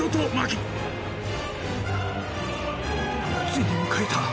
ついに迎えた